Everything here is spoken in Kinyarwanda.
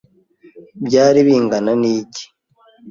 Byari bingana n'igi .